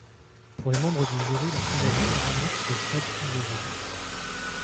Pour les membres du jury, la fondation rembourse les frais, plus euros.